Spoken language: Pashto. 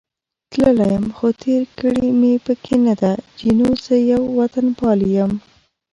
تللی یم، خو تېر کړې مې پکې نه ده، جینو: زه یو وطنپال یم.